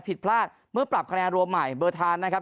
ผิดพลาดเมื่อปรับคะแนนรวมใหม่เบอร์ทานนะครับ